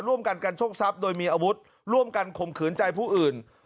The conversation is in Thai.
ร่วมกันกันโชคทรัพย์โดยมีอาวุธร่วมกันข่มขืนใจผู้อื่น